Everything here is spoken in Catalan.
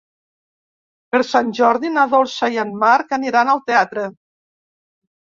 Per Sant Jordi na Dolça i en Marc aniran al teatre.